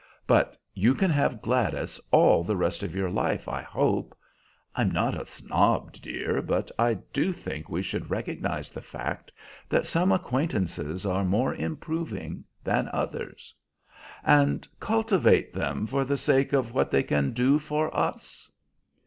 But you can have Gladys all the rest of your life, I hope. I'm not a snob, dear, but I do think we should recognize the fact that some acquaintances are more improving than others." "And cultivate them for the sake of what they can do for us?"